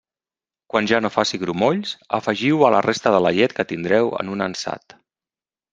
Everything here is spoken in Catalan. Quan ja no faci grumolls, afegiu-ho a la resta de la llet que tindreu en un ansat.